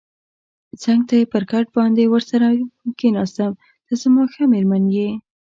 څنګ ته یې پر کټ باندې ورسره کېناستم، ته زما ښه مېرمن یې.